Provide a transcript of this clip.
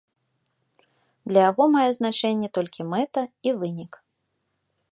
Для яго мае значэнне толькі мэта і вынік.